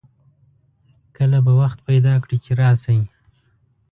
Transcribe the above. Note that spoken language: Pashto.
کله به وخت پیدا کړي چې راشئ